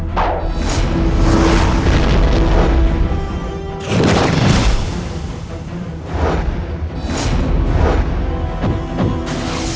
kau ingin mengambil mustika ampal